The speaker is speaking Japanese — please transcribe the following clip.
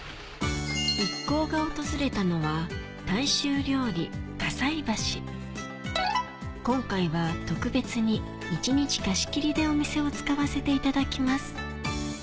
一行が訪れたのは今回は特別に一日貸し切りでお店を使わせていただきます